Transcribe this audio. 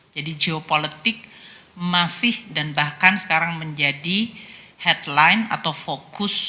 jadi geopolitik masih dan bahkan sekarang menjadi headline atau fokus